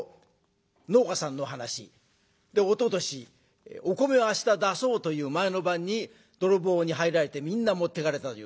おととしお米を明日出そうという前の晩に泥棒に入られてみんな持っていかれたという。